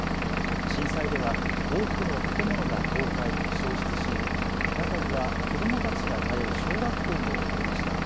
震災では多くの建物が倒壊、焼失し中には子どもたちが通う小学校もありました。